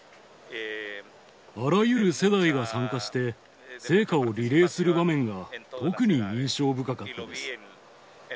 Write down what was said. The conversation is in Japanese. あらゆる世代が参加して、聖火をリレーする場面が特に印象深かったです。